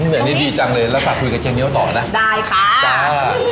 เดี๋ยวนี้ดีจังเลยแล้วฝากคุยกับเจ๊เงี้ยวต่อนะได้ค่ะจ้า